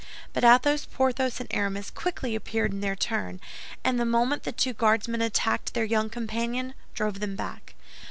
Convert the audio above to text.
But Athos, Porthos, and Aramis quickly appeared in their turn, and the moment the two Guardsmen attacked their young companion, drove them back.